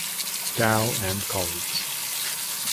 Dow and colleagues.